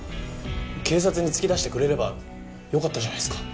警察に突き出してくれればよかったじゃないっすか。